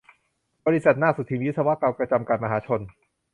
บริษัท นาคสุทินวิศวกรรม จำกัด มหาชน